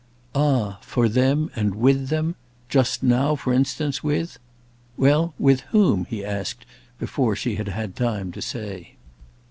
"Ah for them and with them! Just now for instance with—" "Well, with whom?" he asked before she had had time to say.